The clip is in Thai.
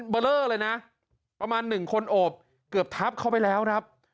เบอร์เลยน่ะประมาณหนึ่งคนโอบเกือบทับเข้าไปแล้วนะครับ